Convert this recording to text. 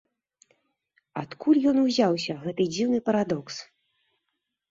Адкуль ён узяўся, гэты дзіўны парадокс?